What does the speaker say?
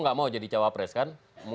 nggak mau jadi cawapres kan